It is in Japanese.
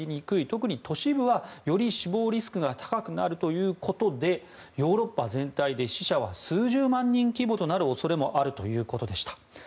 特に都市部はより死亡リスクが高くなるということでヨーロッパ全体で死者は数十万人規模となる恐れもあるということでした。